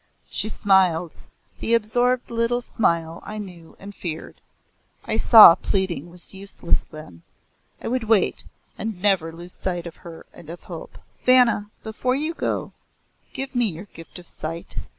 She smiled, the absorbed little smile I knew and feared. I saw pleading was useless then. I would wait, and never lose sight of her and of hope. "Vanna, before you go, give me your gift of sight.